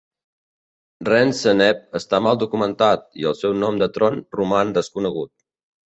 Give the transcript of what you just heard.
Renseneb està mal documentat i el seu nom de tron roman desconegut.